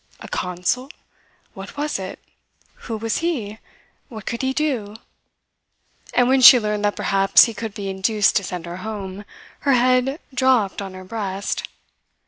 A consul! What was it? Who was he? What could he do? And when she learned that perhaps he could be induced to send her home, her head dropped on her breast.